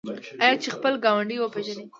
آیا چې خپل ګاونډی وپیژني؟